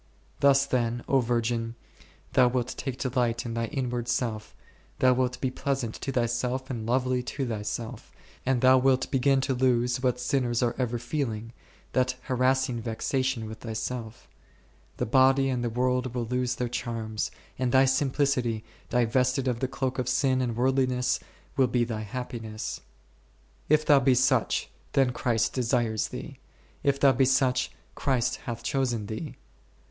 Thus then, O virgin, thou wilt take delight in thy inward self, thou wilt be pleasant to thyself and lovely to thyself, and thou wilt begin to lose, what sinners are ever feeling, that harass ing vexation with thyself ; the body and the world will lose their charms, and thy simplicity, divested of the cloak of sin and worldliness, will be thy happiness. If thou be such, then Christ desires thee ; if thou be such, Christ hath chosen thee.